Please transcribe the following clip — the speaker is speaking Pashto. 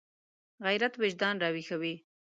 غیرت وجدان راویښوي